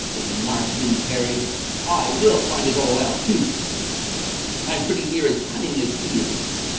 And, mark me, Harry—I will find it all out too! I'm pretty near as cunning as he is!